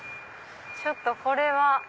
ちょっとこれは。